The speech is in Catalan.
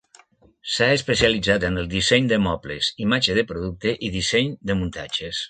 S'ha especialitzat en el disseny de mobles, imatge de producte i disseny de muntatges.